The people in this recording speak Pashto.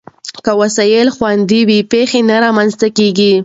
که وسایل خوندي وي، پېښه نه رامنځته کېږي.